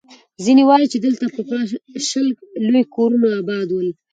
ځيني وایي، چې دلته پخوا شل لوی کورونه اباد ول.